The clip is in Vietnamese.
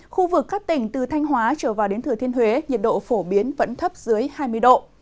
khu vực các tỉnh từ thanh hóa trở vào đến thừa thiên huế nhiệt độ phổ biến vẫn thấp dưới hai mươi độ